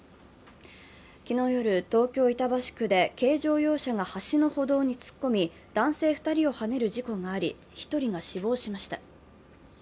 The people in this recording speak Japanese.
昨日夜、東京・板橋区で、軽乗用車が橋の歩道に突っ込み男性２人をはねる事故があり、１人が死亡しました。